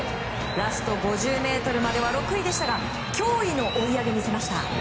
ラスト５０ｍまでは６位でしたが驚異の追い上げを見せました。